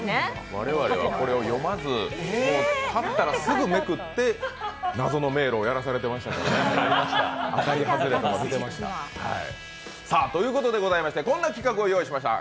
我々はこれを読まず、買ったらすぐめくって謎の迷路をやらされてましたからね。ということで、こんな企画を用意しました。